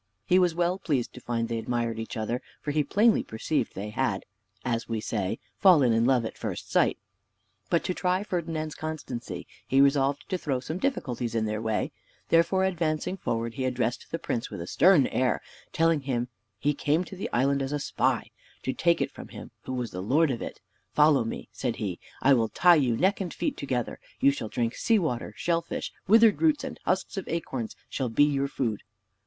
He was well pleased to find they admired each other, for he plainly perceived they had (as we say) fallen in love at first sight: but to try Ferdinand's constancy, he resolved to throw some difficulties in their way: therefore advancing forward, he addressed the prince with a stern air, telling him, he came to the island as a spy, to take it from him who was the lord of it. "Follow me," said he, "I will tie you neck and feet together. You shall drink sea water; shell fish, withered roots, and husks of acorns shall be your food."